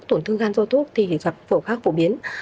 tổn thương gan do thuốc thì gặp phổi khác phổ biến